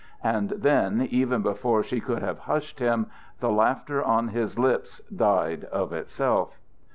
And then, even before she could have hushed him, the laughter on his lips died of itself.